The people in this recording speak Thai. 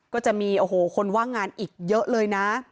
ก็จะมีโอ้โหคนว่างงานอีกเยอะเลยนะ